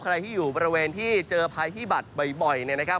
ใครที่อยู่บริเวณที่เจอภัยที่บัดบ่อยนะครับ